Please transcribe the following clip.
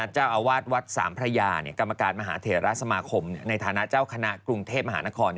เจ้าอาวาสวัดสามพระยากรรมการมหาเทราสมาคมในฐานะเจ้าคณะกรุงเทพมหานคร